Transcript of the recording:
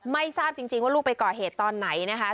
ไม่ทราบจริงว่าลูกไปก่อเหตุตอนไหนนะคะ